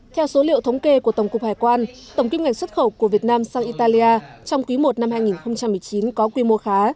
theo số liệu thống kê của tổng cục hải quan tổng kim ngạch xuất khẩu của việt nam sang italia trong quý i năm hai nghìn một mươi chín có quy mô khá